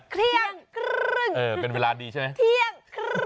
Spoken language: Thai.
เที่ยงเที่ยง